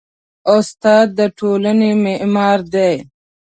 استاد د ټولنې معمار دی.